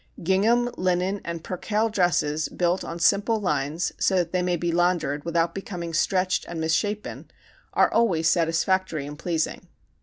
Gingham, linen, and percale dresses built on simple lines so that they may be laundered without becoming stretched and misshapen, are always satisfactory and pleasing.